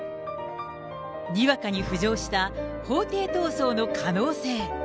にわかに浮上した法廷闘争の可能性。